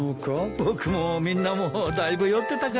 僕もみんなもだいぶ酔ってたからな。